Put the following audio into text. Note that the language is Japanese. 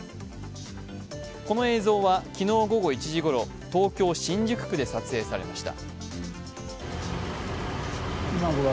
この映像は昨日午後１時ごろ、東京・新宿区で撮影されました。